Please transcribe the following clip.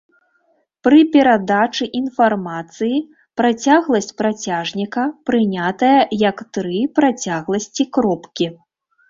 Пры перадачы інфармацыі працягласць працяжніка прынятая як тры працягласці кропкі.